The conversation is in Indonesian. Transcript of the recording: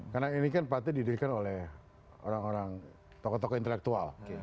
karena ini kan partai didirikan oleh orang orang tokoh tokoh intelektual